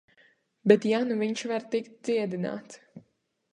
Bet ja nu viņš var tikt dziedināts...